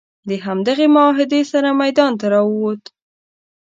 د همدغې معاهدې سره میدان ته راووت.